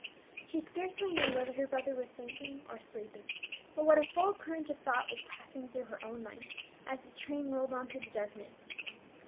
She scarcely knew whether her brother were thinking or sleeping; but what a full current of thought was passing through her own mind, as the train rolled on through the darkness!